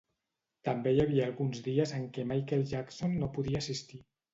També hi havia alguns dies en què Michael Jackson no podia assistir.